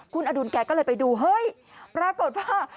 คุณอดุลแกก็เลยไปดูเฮ้ยปรากฏว่า